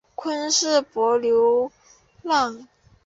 昆士柏流浪